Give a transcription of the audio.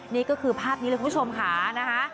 นี่ก็คือภาพนี้เลยคุณผู้ชมค่ะนะคะ